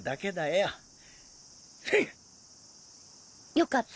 よかった。